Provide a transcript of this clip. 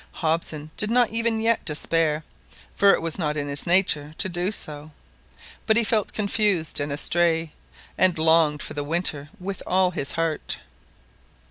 Hobson did not even yet despair, for it was not in his nature to do so, but he felt confused and astray, and longed for the winter with all his heart.